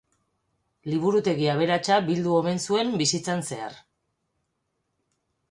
Liburutegi aberatsa bildu omen zuen bizitzan zehar.